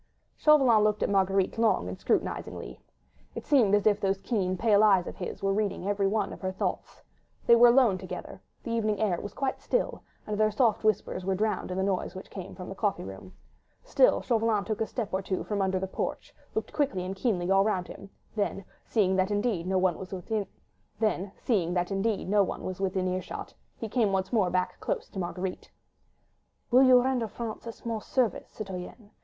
Chauvelin looked at Marguerite long and scrutinisingly. It seemed as if those keen, pale eyes of his were reading every one of her thoughts. They were alone together; the evening air was quite still, and their soft whispers were drowned in the noise which came from the coffee room. Still, Chauvelin took a step or two from under the porch, looked quickly and keenly all round him, then, seeing that indeed no one was within earshot, he once more came back close to Marguerite. "Will you render France a small service, citoyenne?"